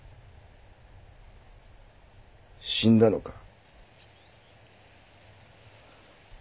死んだのか？